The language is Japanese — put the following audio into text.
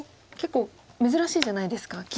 結構珍しいじゃないですか